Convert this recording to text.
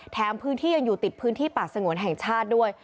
แถมพื้นที่ยังอยู่ติดพื้นที่ป่าสงวนแห่งชาติด้วย